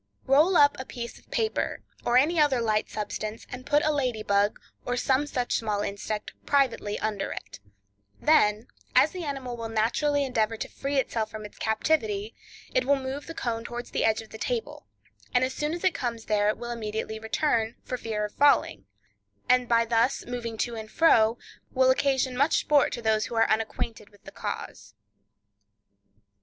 —Roll up a piece of paper, or any other light substance and put a lady bug, or some such small insect, privately under it; then, as the animal will naturally endeavor to free itself from its captivity, it will move the cone towards the edge of the table, and as soon as it comes there, will immediately return, for fear of falling; and by thus moving to and fro, will occasion much sport to those who are unacquainted with the cause.